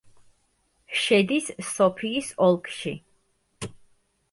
შედის სოფიის ოლქში.